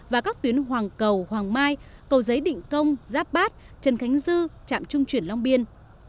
và các tuyến hoàng cầu hoàng mai cầu giấy định công giáp bát trần khánh dư trạm trung chuyển long biên